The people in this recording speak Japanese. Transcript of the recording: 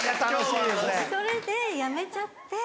それでやめちゃって。